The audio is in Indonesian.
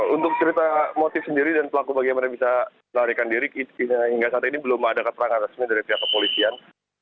untuk cerita motif sendiri dan pelaku bagaimana bisa melarikan diri hingga saat ini belum ada keterangan resmi dari pihak kepolisian